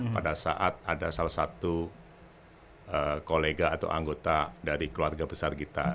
pada saat ada salah satu kolega atau anggota dari keluarga besar kita